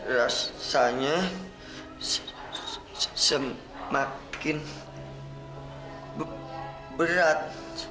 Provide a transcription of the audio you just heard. rasanya semakin berat